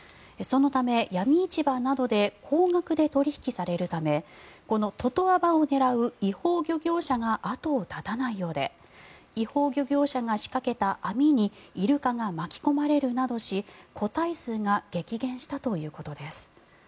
そのため闇市場などで高額で取引されるためこのトトアバを狙う違法漁業者が後を絶たないようで違法漁業者が仕掛けた網にイルカが巻き込まれるなどし個体数が激減したということです。